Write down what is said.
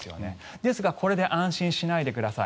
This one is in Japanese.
ですが、これで安心しないでください。